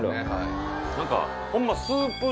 何かホンマ。